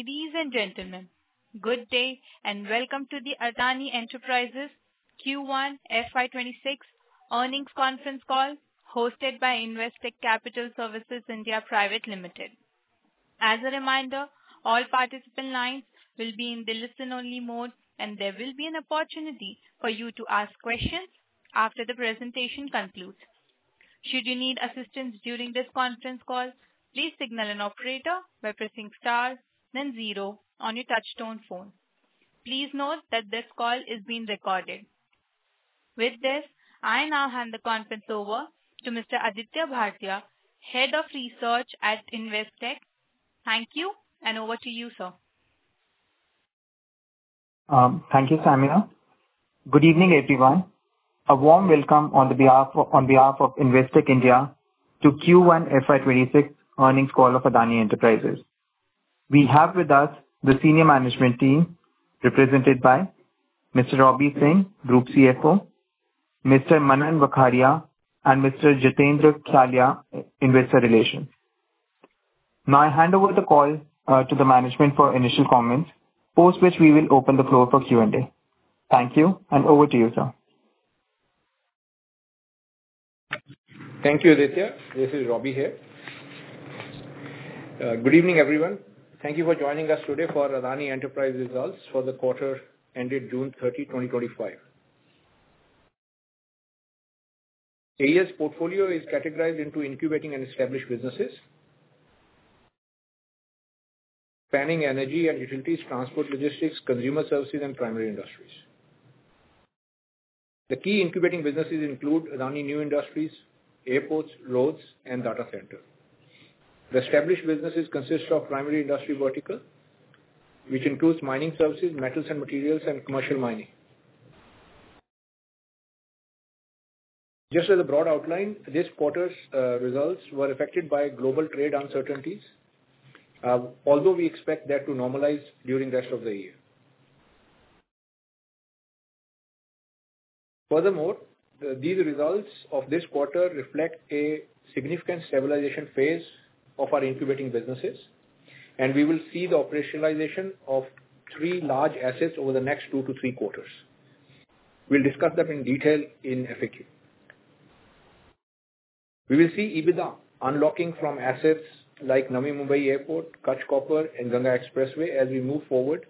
Ladies and gentlemen, good day and welcome to the Adani Enterprises Q1 FY2026 Earnings Conference Call hosted by Investec Capital Services India Private Limited. As a reminder, all participant lines will be in the listen-only mode, and there will be an opportunity for you to ask questions after the presentation concludes. Should you need assistance during this conference call, please signal an operator by pressing star then zero on your touchstone phone. Please note that this call is being recorded. With this, I now hand the conference over to Mr. Aditya Bhartiya, Head of Research at Investec. Thank you, and over to you, sir. Thank you, Sameer. Good evening, everyone. A warm welcome on behalf of Investec Indiato the Q1 FY2026 Earnings Call of Adani Enterprises. We have with us the senior management team represented by Mr. Robbie Singh, Group CFO, Mr. Manan Vakharia, and Mr. Jitendra Chalya, Investor Relations. Now I hand over the call to the management for initial comments, post which we will open the floor for Q&A. Thank you, and over to you, sir. Thank you, Aditya. This is Robbie here. Good evening, everyone. Thank you for joining us today for Adani Enterprises results for the quarter ended June 30, 2025. AEL's portfolio is categorized into incubating and established businesses, spanning energy and utilities, transport, logistics, consumer services, and primary industries. The key incubating businesses include Adani New Industries, airports, roads, and data centers. The established businesses consist of the primary industry vertical, which includes mining services, metals and materials, and commercial mining. Just as a broad outline, this quarter's results were affected by global trade uncertainties, although we expect that to normalize during the rest of the year. Furthermore, these results of this quarter reflect a significant stabilization phase of our incubating businesses, and we will see the operationalization of three large assets over the next two to three quarters. We'll discuss that in detail in FAQ. We will see EBITDA unlocking from assets like Navi Mumbai Airport, Kutch Copper, and Ganga Expressway as we move forward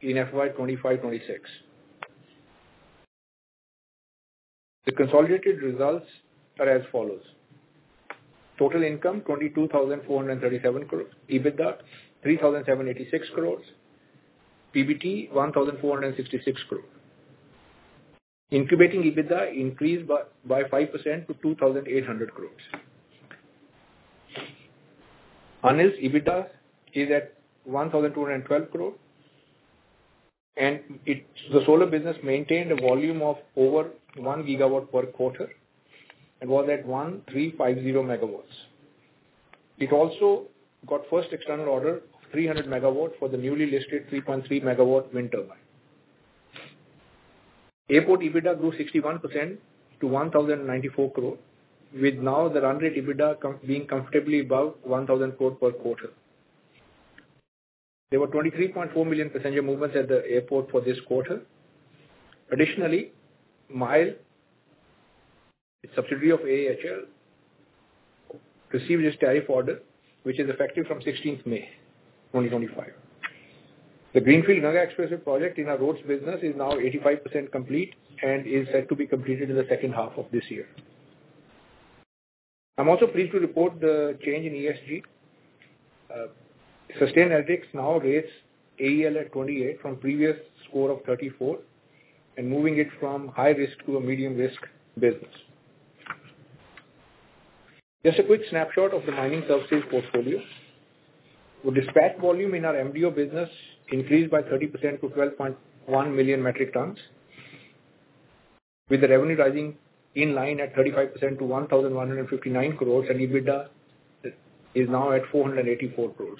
in FY2025-FY2026. The consolidated results are as follows. Total income: 22,437 crore, EBITDA: 3,786 crore, PBT: 1,466 crore. Incubating EBITDA increased by 5% to 2,800 crore. ANIL's EBITDA is at 1,212 crore, and the solar business maintained a volume of over 1 GW per quarter and was at 1,350 MWs. It also got its first external order of 300 MWs for the newly listed 3.3 MWs wind turbine. Airport EBITDA grew 61% to 1,094 crore, with now the run rate EBITDA being comfortably above 1,000 crore per quarter. There were 23.4 million passenger movements at the airport for this quarter. Additionally, MIHAN, subsidiary of AHL, received its tariff order, which is effective from May 16, 2025. The Greenfield Ganga Expressway project in our roads business is now 85% complete and is set to be completed in the second half of this year. I'm also pleased to report the change in ESG. Sustainalytics now rates AEL at 28 from previous score of 34 and moving it from high risk to a medium risk business. Just a quick snapshot of the mining services portfolio. The dispatch volume in our MDO business increased by 30% to 12.1 million metric tons, with the revenue rising in line at 35% to 1,159 crore, and EBITDA is now at 484 crore.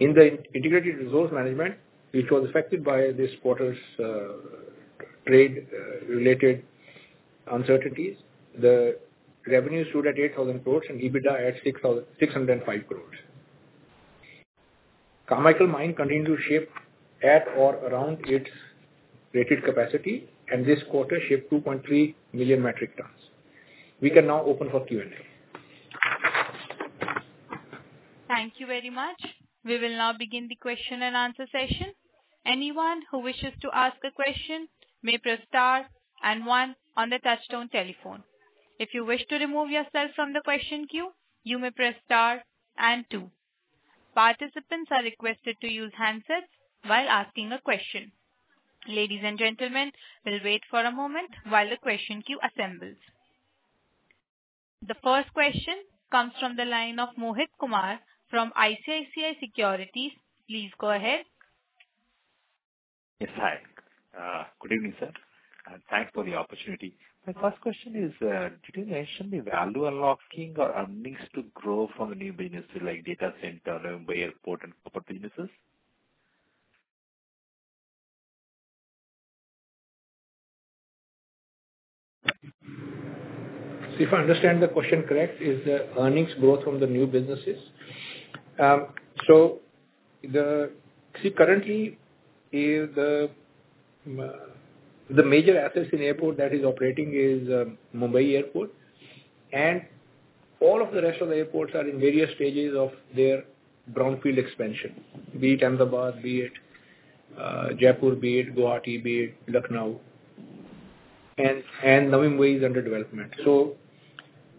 In the integrated resource management, which was affected by this quarter's trade-related uncertainties, the revenue stood at 8,000 crore and EBITDA at 605 crore. Carmichael Mine continued to ship at or around its rated capacity, and this quarter shipped 2.3 million metric tons. We can now open for Q&A. Thank you very much. We will now begin the question and answer session. Anyone who wishes to ask a question may press star and one on the touchstone telephone. If you wish to remove yourself from the question queue, you may press star and two. Participants are requested to use handsets while asking a question. Ladies and gentlemen, we'll wait for a moment while the question queue assembles. The first question comes from the line of Mohit Kumar from ICICI Securities. Please go ahead. Yes, hi. Good evening, sir. Thanks for the opportunity. My first question is, did you mention the value unlocking or earnings to grow from a new business like data center, airport, and corporate businesses? If I understand the question correct, is the earnings growth from the new businesses? Currently, the major asset in the airport that is operating is Mumbai Airport, and all of the rest of the airports are in various stages of their brownfield expansion, be it Ahmedabad, be it Jaipur, be it Guwahati, be it Lucknow. Navi Mumbai is under development.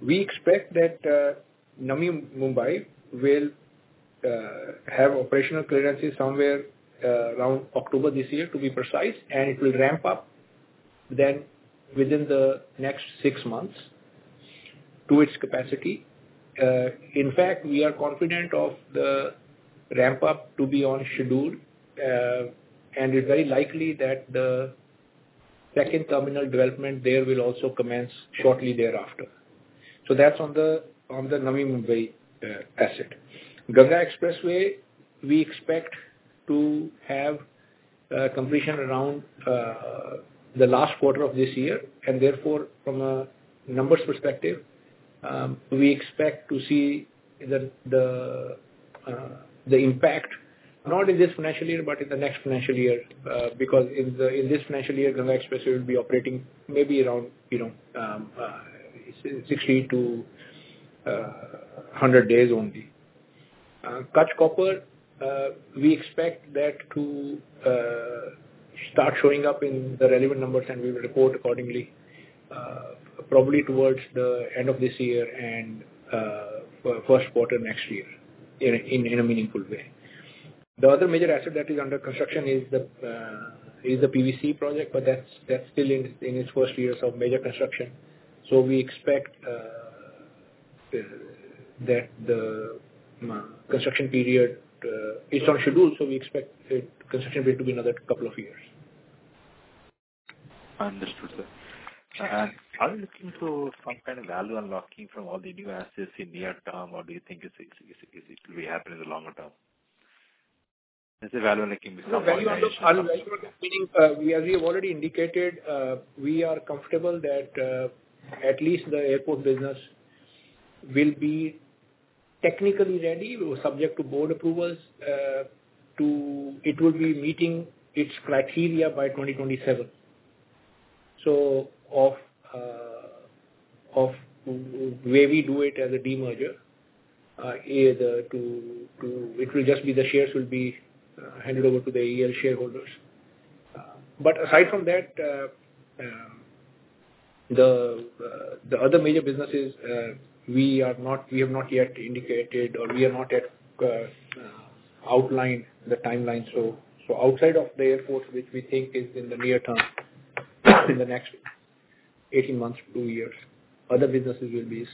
We expect that Navi Mumbai will have operational clearances somewhere around October this year, to be precise, and it will ramp up within the next six months to its capacity. In fact, we are confident of the ramp-up to be on schedule, and it's very likely that the second terminal development there will also commence shortly thereafter. That's on the Navi Mumbai asset. Ganga Expressway, we expect to have completion around the last quarter of this year, and therefore, from a numbers perspective, we expect to see the impact not in this financial year, but in the next financial year, because in this financial year, Ganga Expressway will be operating maybe around 60-100 days only. Kutch Copper, we expect that to start showing up in the relevant numbers, and we will report accordingly, probably towards the end of this year and first quarter next year in a meaningful way. The other major asset that is under construction is the PVC project, but that's still in its first years of major construction. We expect that the construction period is on schedule, so we expect the construction period to be another couple of years. Understood, sir. Are you looking for some kind of value unlocking from all the new assets in the near term, or do you think it will happen in the longer term? Is the value unlocking? The value unlocking, as we have already indicated, we are comfortable that at least the airport business will be technically ready or subject to board approvals. It will be meeting its criteria by 2027. The way we do it as a demerger, it will just be the shares will be handed over to the AEL shareholders. Aside from that, the other major businesses, we have not yet indicated, or we have not yet outlined the timeline. Outside of the airport, which we think is in the near term, in the next 18 months-two years, other businesses will be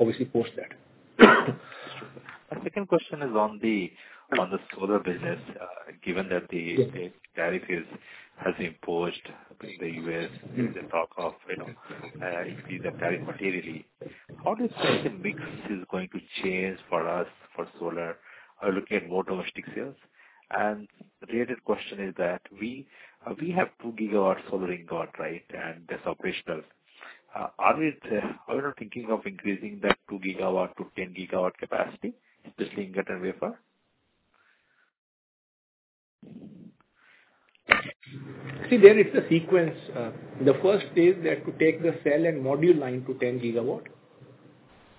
obviously post that. A second question is on the solar business. Given that the tariff has been imposed in the U.S., there's a talk of increase in the tariff materially. How do you think the mix is going to change for us for solar? I look at more domestic sales. The related question is that we have 2 GW solar in Ghats, right? That's operational. Are we not thinking of increasing that 2 GW-10 GW capacity, especially in Ghat and Dayapar? See, there is the sequence. The first is to take the cell and module line to 10 GW,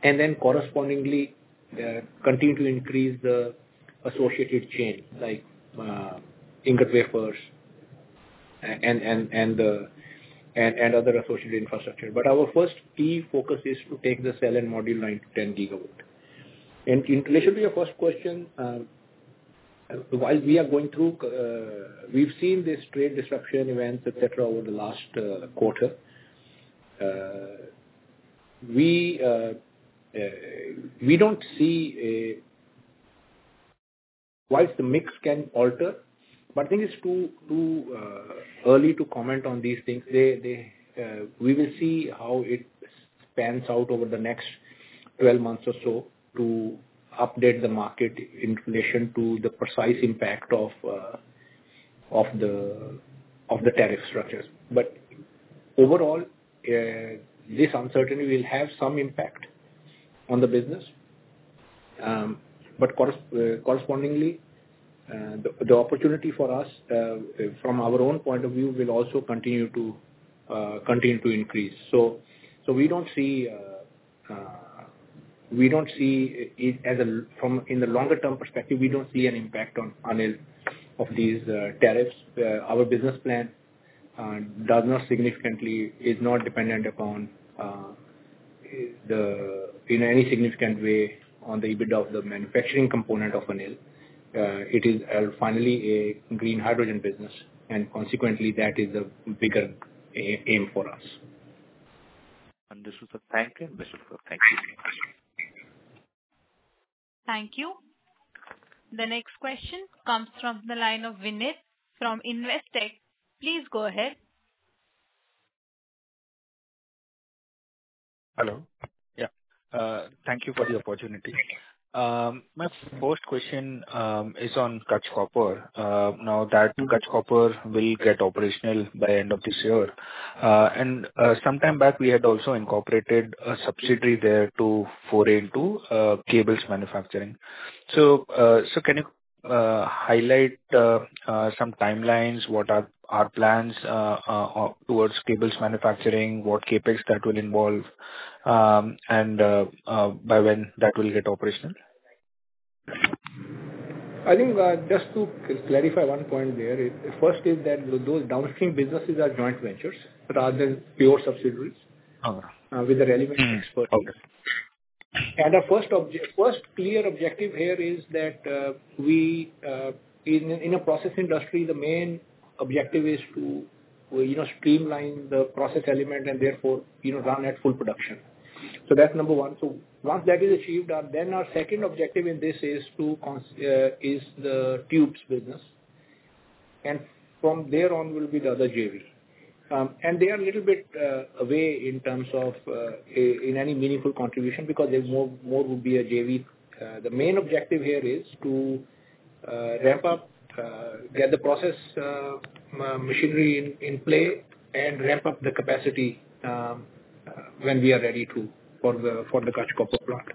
and then correspondingly continue to increase the associated chain like ingot, wafers, and other associated infrastructure. Our first key focus is to take the cell and module line to 10 GW. In relation to your first question, while we are going through, we've seen these trade disruption events, etc., over the last quarter. We don't see why the mix can alter, but I think it's too early to comment on these things. We will see how it pans out over the next 12 months or so to update the market in relation to the precise impact of the tariff structures. Overall, this uncertainty will have some impact on the business. Correspondingly, the opportunity for us from our own point of view will also continue to increase. We don't see it as a longer-term perspective, we don't see an impact on any of these tariffs. Our business plan is not significantly dependent upon, in any significant way, on the EBITDA of the manufacturing component of Adani New Industries. It is finally a green hydrogen business, and consequently, that is the bigger aim for us. Understood, sir. Thank you. Thank you. The next question comes from the line of Vineet from Investec. Please go ahead. Hello. Yeah. Thank you for the opportunity. My first question is on Kutch Copper. Now that Kutch Copper will get operational by the end of this year, some time back, we had also incorporated a subsidiary there to 482 cables manufacturing. Can you highlight some timelines, what are our plans towards cables manufacturing, what CapEx that will involve, and by when that will get operational? I think just to clarify one point there, first is that those downstream businesses are joint ventures rather than pure subsidiaries with the relevant expertise. Our first clear objective here is that in a process industry, the main objective is to streamline the process element and therefore run at full production. That's number one. Once that is achieved, then our second objective in this is the tubes business, and from there on will be the other JV. They are a little bit away in terms of any meaningful contribution because more would be a JV. The main objective here is to ramp up, get the process machinery in play, and ramp up the capacity when we are ready for the Kutch Copper plant.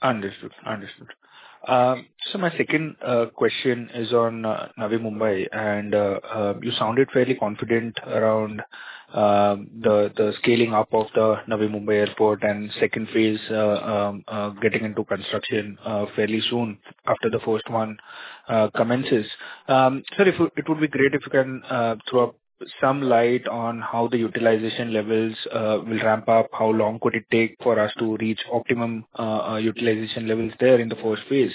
Understood. My second question is on Navi Mumbai. You sounded fairly confident around the scaling up of the Navi Mumbai Airport and the second phase getting into construction fairly soon after the first one commences. Sir, it would be great if you can throw some light on how the utilization levels will ramp up, how long it could take for us to reach optimum utilization levels there in the first phase.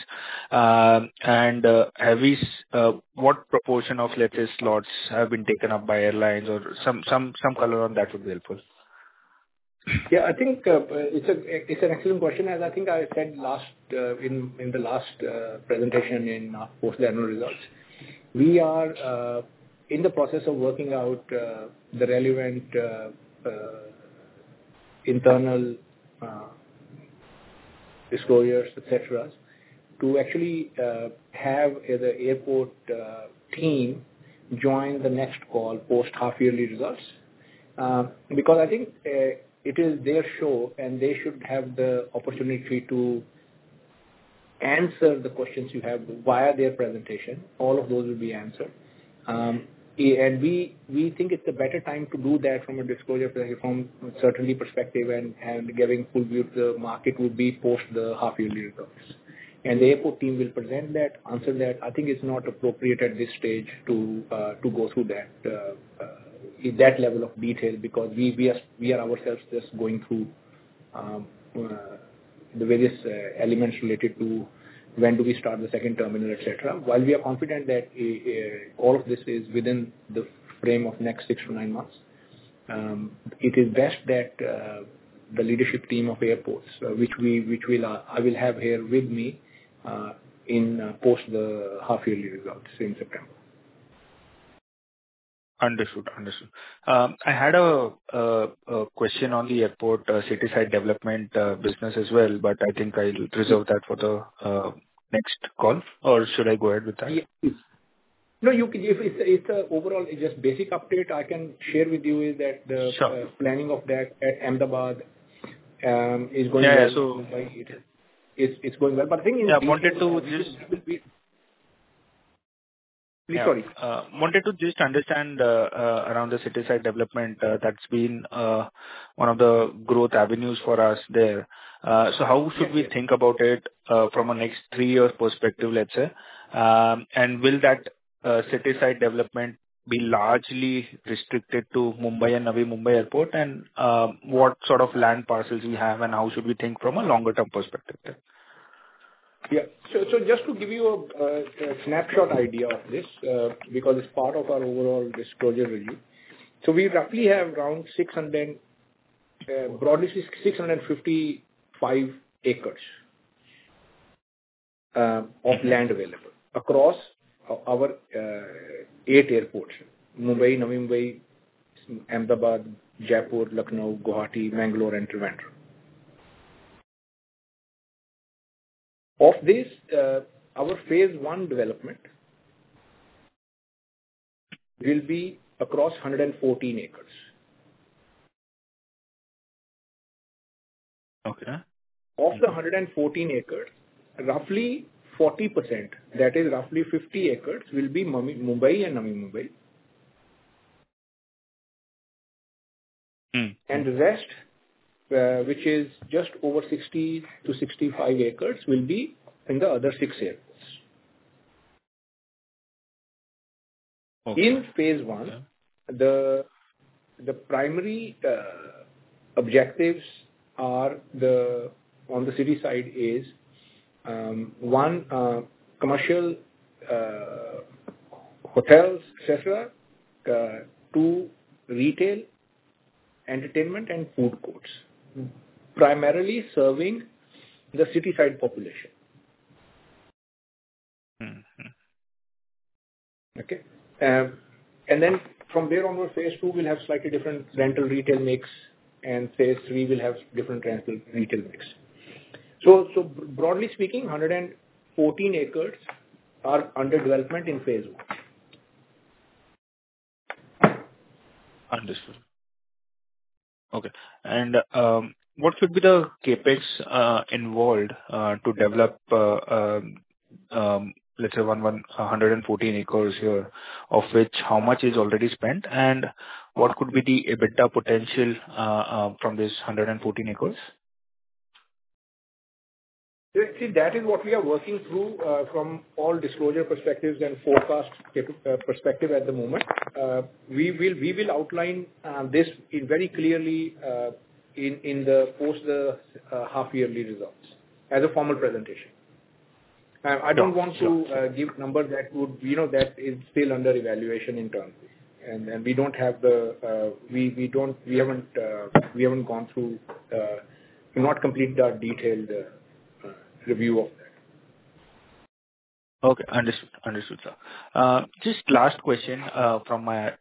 What proportion of, let's say, slots have been taken up by airlines? Some color on that would be helpful. Yeah, I think it's an excellent question. As I think I said in the last presentation in post-annual results, we are in the process of working out the relevant internal disclosures, etc., to actually have the airport team join the next call post-half-yearly results. I think it is their show, and they should have the opportunity to answer the questions you have via their presentation. All of those will be answered. We think it's a better time to do that from a disclosure, from a certainty perspective, and giving full view to the market would be post the half-yearly results. The airport team will present that, answer that. I think it's not appropriate at this stage to go through that level of detail because we are ourselves just going through the various elements related to when do we start the second terminal, etc. While we are confident that all of this is within the frame of next six-nine months, it is best that the leadership team of airports, which I will have here with me, in post the half-yearly results in September. Understood. I had a question on the airport city-side development business as well, but I think I'll reserve that for the next call. Or should I go ahead with that? Yes. No, it's an overall just basic update I can share with you is that the planning of that at Ahmedabad is going to. Yeah, so. It's going well. I think. I wanted to just. Please, sorry. Wanted to just understand around the city-side development. That's been one of the growth avenues for us there. How should we think about it from a next three-year perspective, let's say? Will that city-side development be largely restricted to Mumbai and Navi Mumbai Airport? What sort of land parcels do we have, and how should we think from a longer-term perspective? Yeah. Just to give you a snapshot idea of this, because it's part of our overall disclosure review, we roughly have around 655 acres of land available across our eight airports: Mumbai, Navi Mumbai, Ahmedabad, Jaipur, Lucknow, Guwahati, Bangalore, and Trivandrum. Of this, our phase I development will be across 114 acres. Okay. Of the 114 acres, roughly 40%, that is roughly 50 acres, will be Mumbai and Navi Mumbai. The rest, which is just over 60-65 acres, will be in the other six areas. In phase I, the primary objectives on the city side are: one, commercial, hotels, etc.; two, retail, entertainment, and food courts, primarily serving the city-side population. From there onward, phase II will have a slightly different rental retail mix, and phase III will have a different rental retail mix. Broadly speaking, 114 acres are under development in phase I. Understood. Okay. What could be the CapEx involved to develop, let's say, 114 acres here, of which how much is already spent? What could be the EBITDA potential from these 114 acres? See, that is what we are working through from all disclosure perspectives and forecast perspective at the moment. We will outline this very clearly in the post-half-yearly results as a formal presentation. I don't want to give numbers that are still under evaluation internally. We have not completed our detailed review of that. Okay. Understood, sir. Just last question from my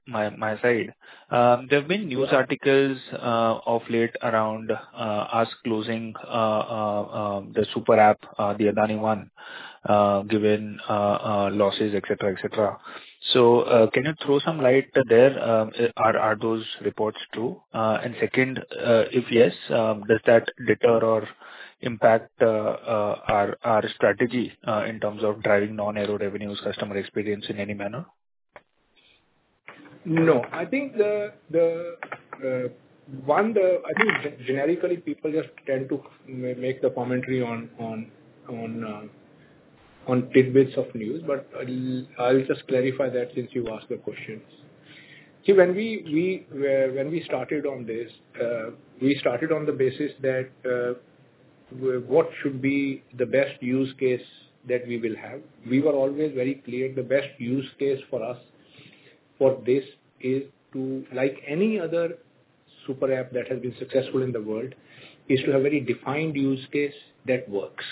side. There have been news articles of late around us closing the super app, the Adani One, given losses, etc. Can you throw some light there? Are those reports true? If yes, does that deter or impact our strategy in terms of driving non-aero revenues, customer experience in any manner? I think generically people just tend to make the commentary on tidbits of news. I'll just clarify that since you asked the question. When we started on this, we started on the basis that what should be the best use case that we will have. We were always very clear the best use case for us for this is to, like any other super app that has been successful in the world, have a very defined use case that works.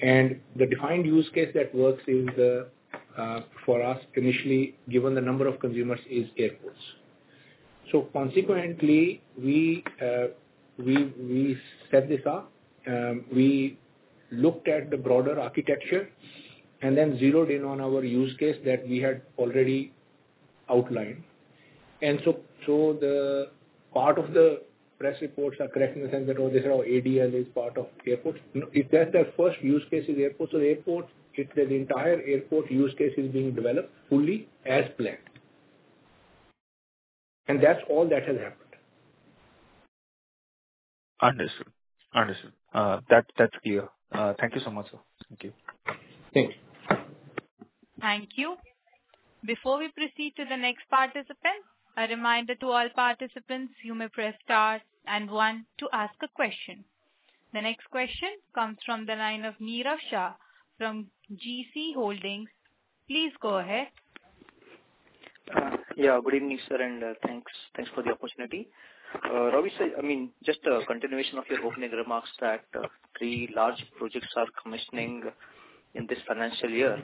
The defined use case that works is, for us, initially, given the number of consumers, airports. Consequently, we set this up. We looked at the broader architecture and then zeroed in on our use case that we had already outlined. The part of the press reports are correct in the sense that, oh, this is how ADL is part of airports. If the first use case is airports, the entire airport use case is being developed fully as planned. That's all that has happened. Understood. Understood. That's clear. Thank you so much, sir. Thank you. Thank you. Thank you. Before we proceed to the next participant, a reminder to all participants, you may press star and one to ask a question. The next question comes from the line of Neerav Shah from GC Holdings. Please go ahead. Yeah. Good evening, sir, and thanks for the opportunity. Robbie, I mean, just a continuation of your opening remarks that three large projects are commissioning in this financial year.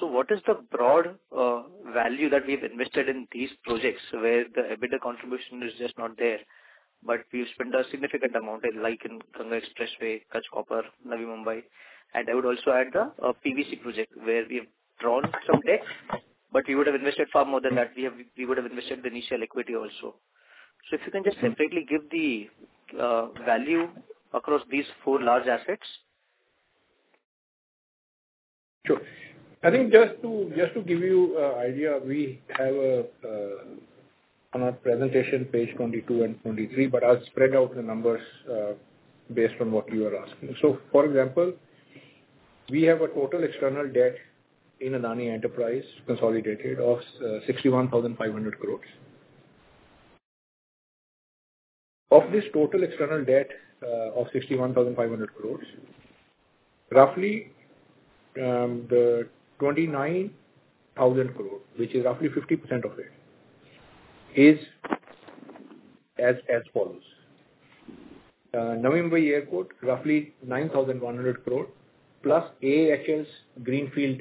What is the broad value that we have invested in these projects where the EBITDA contribution is just not there, but we've spent a significant amount, like in Ganga Expressway, Kutch Copper, Navi Mumbai? I would also add the PVC project where we have drawn some debt, but we would have invested far more than that. We would have invested the initial equity also. If you can just separately give the value across these four large assets. Sure. I think just to give you an idea, we have on our presentation page 22-23, but I'll spread out the numbers based on what you are asking. For example, we have a total external debt in Adani Enterprises consolidated of INR 61,500 crore. Of this total external debt of 61,500 crore, roughly 29,000 crore, which is roughly 50% of it, is as follows. Navi Mumbai Airport, roughly 9,100 crore, plus AHS Greenfield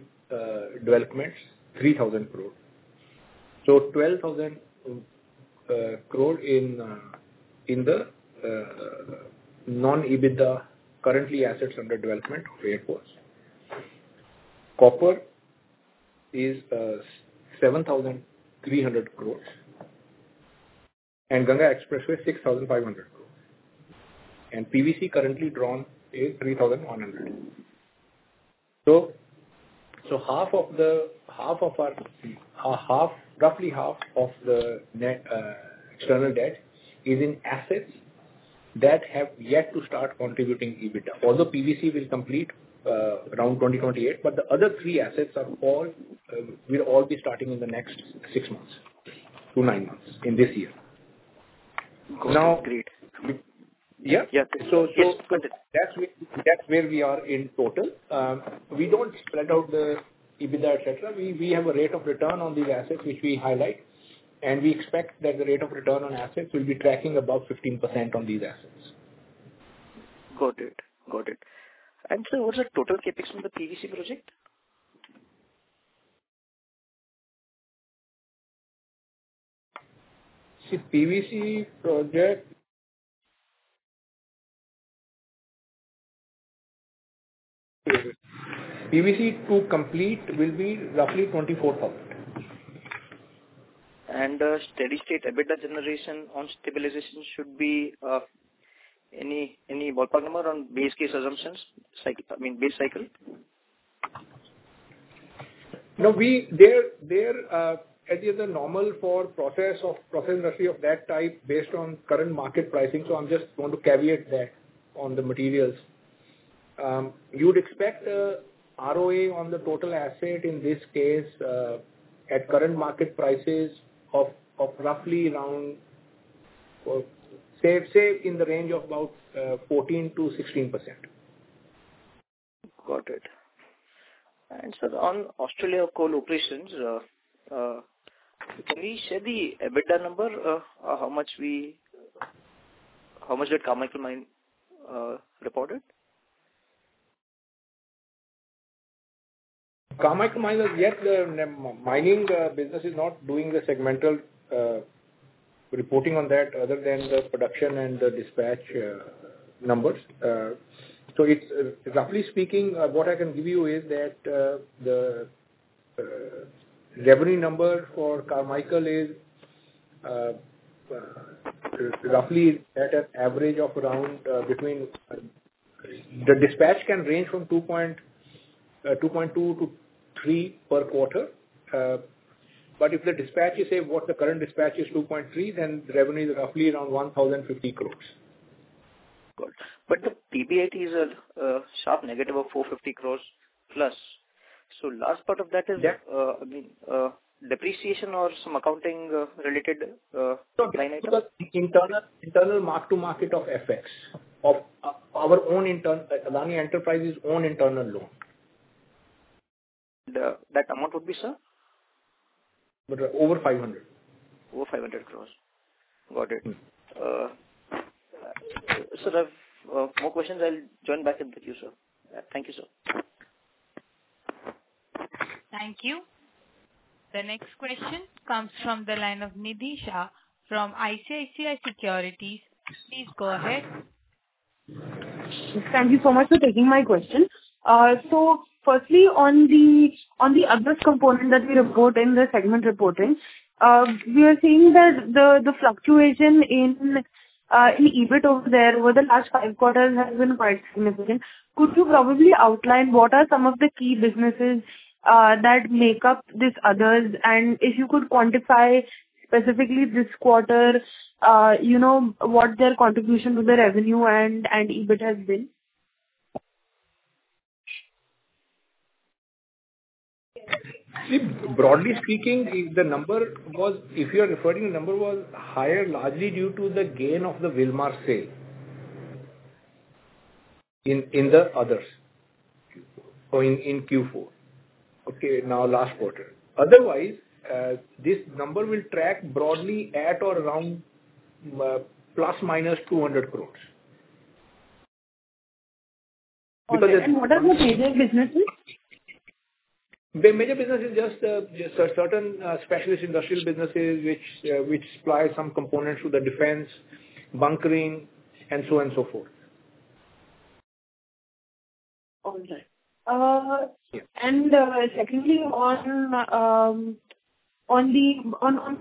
Developments, 3,000 crore, so 12,000 crore in the non-EBITDA currently assets under development for airports. [Kutch] Copper is 7,300 crore, and Ganga Expressway, 6,500 crore, and PVC currently drawn is 3,100 crore. Roughly half of the external debt is in assets that have yet to start contributing EBITDA. Although PVC will complete around 2028, the other three assets will all be starting in the next six months-nine months in this year. Great. Yeah, that's where we are in total. We don't spread out the EBITDA, etc. We have a rate of return on these assets, which we highlight. We expect that the rate of return on assets will be tracking above 15% on these assets. Got it. Sir, what is the total CapEx from the PVC project? See, PVC project to complete will be roughly 24,000 million. Steady state EBITDA generation on stabilization should be. Any ballpark number on base case assumptions, I mean, base cycle? No. They're at the normal process of process industry of that type based on current market pricing. I'm just going to caveat that on the materials. You would expect the ROA on the total asset in this case at current market prices of roughly around, say, in the range of about 14%-16%. Got it. Sir, on Australia coal operations, can we share the EBITDA number, how much that Carmichael Mine reported? Carmichael Mine is yet the mining business is not doing the segmental reporting on that other than the production and the dispatch numbers. Roughly speaking, what I can give you is that the revenue number for Carmichael is roughly at an average of around between the dispatch can range from 2.2%-3% per quarter. If the dispatch you say what the current dispatch is 2.3%, then the revenue is roughly around 1,050 crore. Got it. The PBIT is a sharp negative of 450 crore +. Is the last part of that depreciation or some accounting related line item? Internal mark to market of FX of our own internal Adani Enterprises' own internal loan. That amount would be, sir? Over 500 crores. Over 500 crore. Got it. Sir, I have more questions. I'll join back in with you, sir. Thank you, sir. Thank you. The next question comes from the line of Nidisha from ICICI Securities. Please go ahead. Thank you so much for taking my question. Firstly, on the others component that we report in the segment reporting, we are seeing that the fluctuation in EBIT over there over the last five quarters has been quite significant. Could you probably outline what are some of the key businesses that make up these others? If you could quantify specifically this quarter what their contribution to the revenue and EBIT has been? Broadly speaking, the number was, if you are referring to the number, higher largely due to the gain of the Wilmar sale in the others in Q4. Now, last quarter, otherwise, this number will track broadly at or around ± inr 200 crore. What are the major businesses? The major business is just certain specialist industrial businesses which supply some components to the defense, bunkering, and so on and so forth. All right. Secondly, on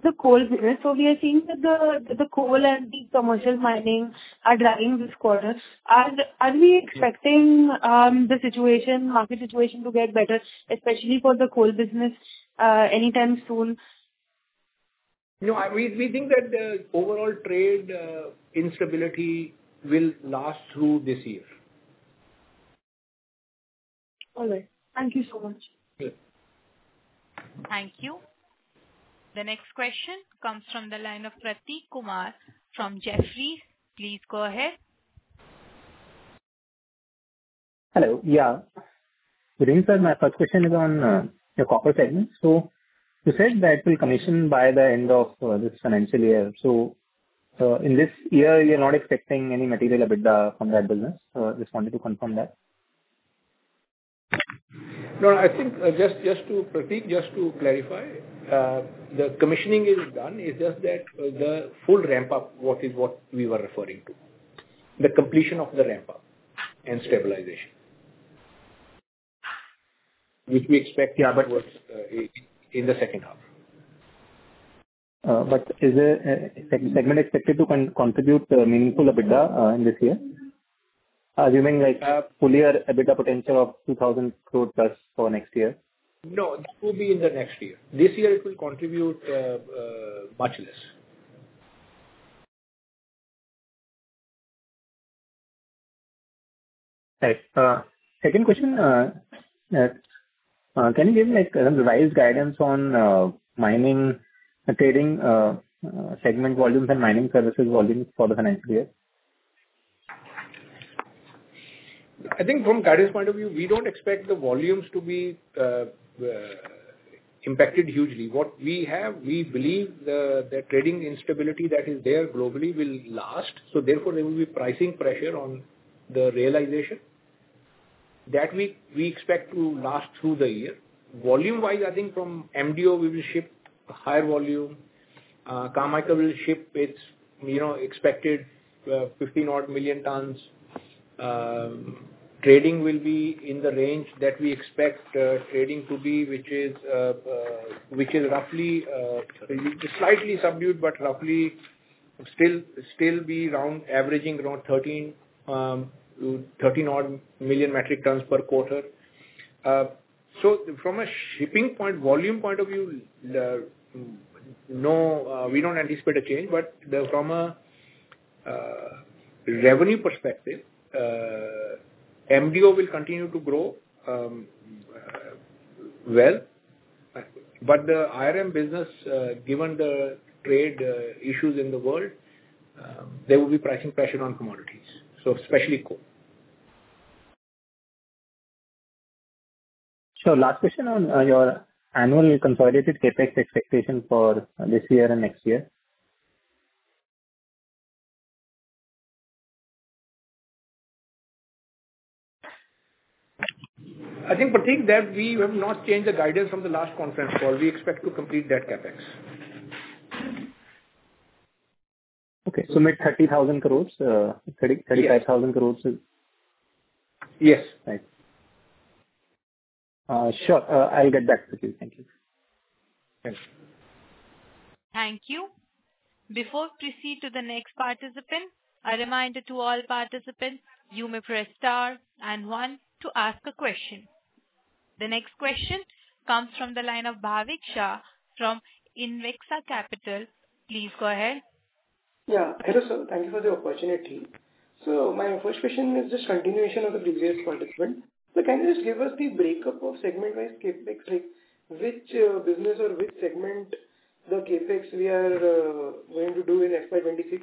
the coal business, we are seeing that the coal and the commercial mining are driving this quarter. Are we expecting the market situation to get better, especially for the coal business, anytime soon? No. We think that the overall trade instability will last through this year. All right, thank you so much. Good. Thank you. The next question comes from the line of Prateek Kumar from Jefferies. Please go ahead. Hello. Good evening, sir. My first question is on your copper segment. You said that it will commission by the end of this financial year. In this year, you're not expecting any material EBITDA from that business. I just wanted to confirm that. No, I think just to clarify, the commissioning is done. It's just that the full ramp-up, what we were referring to, the completion of the ramp-up and stabilization, which we expect in the second half. Is the segment expected to contribute meaningful EBITDA in this year, assuming fully EBITDA potential of 2,000 crore + for next year? No, this will be in the next year. This year, it will contribute much less. Okay. Second question. Can you give me some revised guidance on trading segment volumes and mining services volumes for the financial year? I think from Adani Enterprises' point of view, we don't expect the volumes to be impacted hugely. What we have, we believe the trading instability that is there globally will last. Therefore, there will be pricing pressure on the realization that we expect to last through the year. Volume-wise, I think from MDO, we will ship higher volume. Carmichael will ship its expected 15-odd million tons. Trading will be in the range that we expect trading to be, which is roughly, slightly subdued, but roughly still be around averaging around 13-odd million metric tons per quarter. From a shipping point, volume point of view, we don't anticipate a change. From a revenue perspective, MDO will continue to grow. The IRM business, given the trade issues in the world, there will be pricing pressure on commodities, especially coal. Last question on your annual consolidated CapEx expectation for this year and next year. I think, Prateek, that we have not changed the guidance from the last conference call. We expect to complete that CapEx. Okay, make 30,000 crore-NR 35,000 crore. Yes. Right. Sure, I'll get back with you. Thank you. Thanks. Thank you. Before we proceed to the next participant, a reminder to all participants, you may press star and one to ask a question. The next question comes from the line of Bhavik Shah from Invexa Capital. Please go ahead. Yeah. Hello, sir. Thank you for the opportunity. My first question is just continuation of the previous participant. Can you just give us the breakup of segment-wise CapEx? Which business or which segment the CapEx we are going to do in FY2026?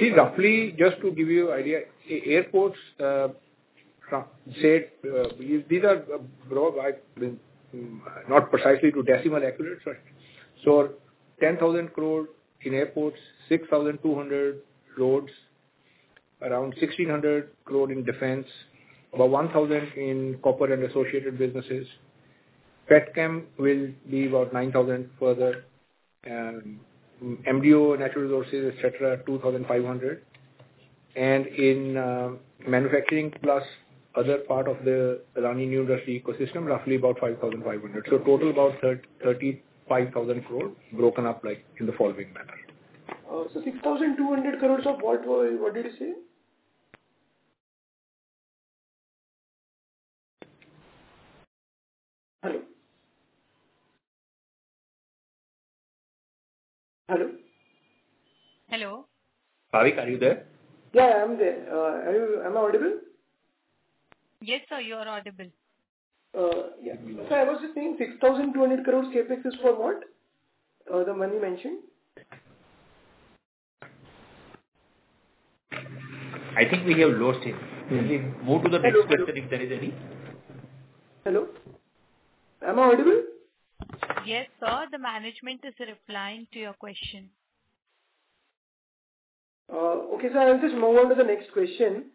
See, roughly, just to give you an idea, airports. These are broad, not precisely to decimal accurate, but 10,000 crore in airports, 6,200 crore in roads, around 1,600 crore in defense, about 1,000 crore in copper and associated businesses. Petchem will be about 9,000 crore further. MDO, natural resources, etc., 2,500 crore. In manufacturing plus other part of the Adani University ecosystem, roughly about 5,500 crore. Total about 35,000 crore broken up in the following manner. 6,200 crore of what did you say? Hello. Hello. Hello. Bhavik, are you there? Yeah, I'm there. Am I audible? Yes, sir, you are audible. Yeah, I was just saying 6,200 crore CapEx is for what? The money mentioned? I think we have lost him. Can we move to the next question if there is any? Hello. Am I audible? Yes, sir. The management is replying to your question. Okay, sir. I'll just move on to the next question.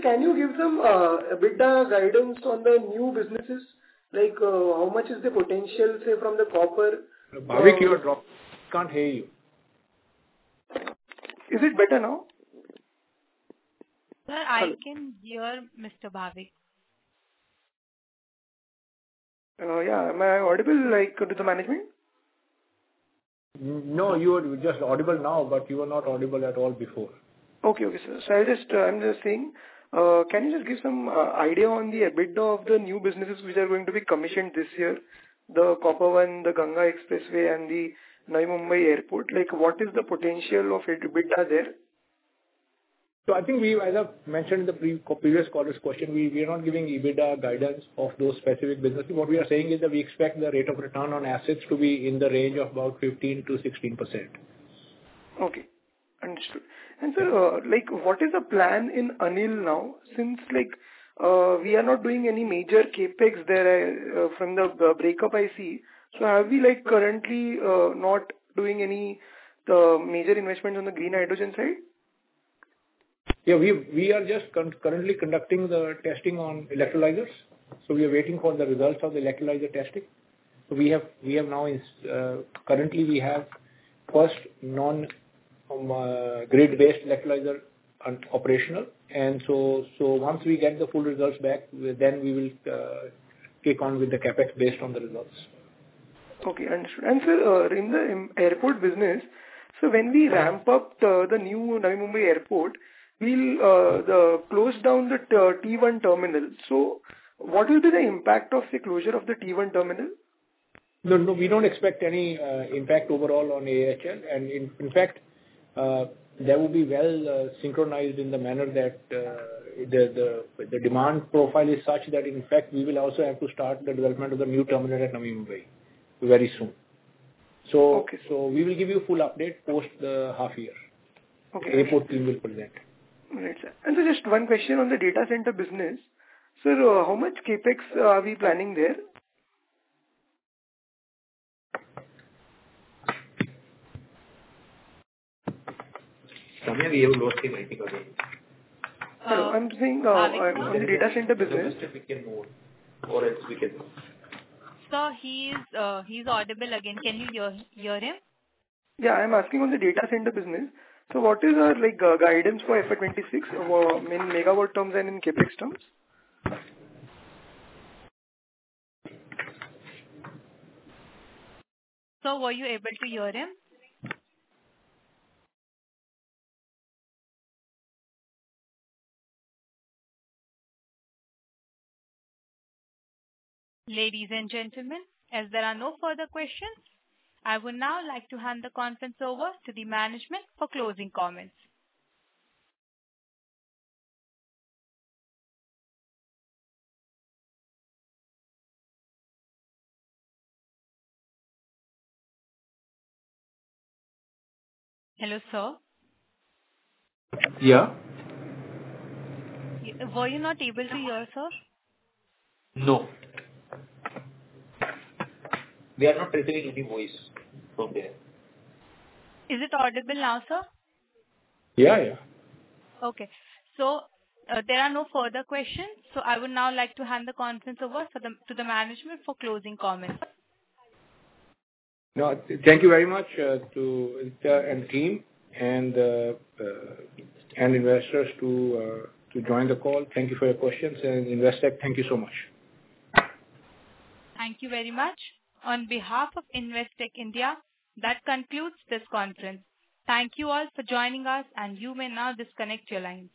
Can you give some EBITDA guidance on the new businesses? How much is the potential, say, from the copper? Bhavik, you are dropped. Can't hear you. Is it better now? Sir, I can hear Mr. Bhavik. Yeah, am I audible to the management? No, you are just audible now, but you were not audible at all before. Okay. Okay, sir. I'm just saying, can you just give some idea on the EBITDA of the new businesses which are going to be commissioned this year, the copper one, the Ganga Expressway, and the Navi Mumbai airport? What is the potential of EBITDA there? I think we either mentioned in the previous caller's question, we are not giving EBITDA guidance of those specific businesses. What we are saying is that we expect the rate of return on assets to be in the range of about 15-16%. Okay. Understood. Sir, what is the plan in Anil now? Since we are not doing any major CapEx there from the breakup I see, are we currently not doing any major investment on the green hydrogen side? Yeah. We are just currently conducting the testing on electrolyzers. We are waiting for the results of the electrolyzer testing. Currently, we have the first non-grid-based electrolyzer operational. Once we get the full results back, we will kick on with the CapEx based on the results. Okay. Understood. Sir, in the airport business, when we ramp up the new Navi Mumbai airport, we'll close down the T1 terminal. What will be the impact of the closure of the T1 terminal? No, no. We don't expect any impact overall on AHL. In fact, that will be well synchronized in the manner that the demand profile is such that we will also have to start the development of the new terminal at Navi Mumbai very soon. We will give you a full update post the half year. The airport team will present. All right, sir. Sir, just one question on the data center business. Sir, how much CapEx are we planning there? Tell me if you have lost him again. I'm saying on the data center business. I'll ask him if we can move or else we can move. Sir, he's audible again. Can you hear him? Yeah, I'm asking on the data center business. What is our guidance for FY2026 in MW terms and in CapEx terms? Sir, were you able to hear him? Ladies and gentlemen, as there are no further questions, I would now like to hand the conference over to the management for closing comments. Hello, sir. Yeah. Were you not able to hear us, sir? No, we are not receiving any voice from there. Is it audible now, sir? Yeah, yeah. Okay, there are no further questions. I would now like to hand the conference over to the management for closing comments. Thank you very much to Aditya and team, and investors, for joining the call. Thank you for your questions. Investec, thank you so much. Thank you very much. On behalf of Investec capital Services India Private Limited, that concludes this conference. Thank you all for joining us, and you may now disconnect your lines.